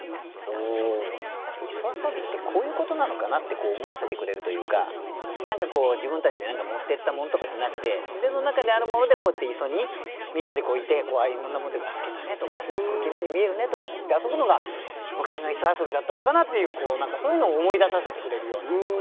磯遊ってこういうことなのかなって思わせてくれるというか何か自分たちで持ってったものとかじゃなくて自然の中にあるものでこうやって磯にみんなでいていろんなものというか透けたねとかきれいに見えるねとかっていって遊ぶのが昔の磯遊だったのかなっていうそういうのを思い出させてくれるような句かもしれませんよね